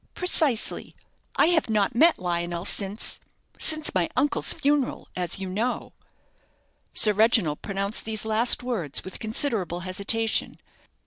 "Precisely. I have not met Lionel since since my uncle's funeral as you know." Sir Reginald pronounced these last words with considerable hesitation.